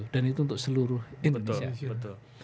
dan itu untuk seluruh indonesia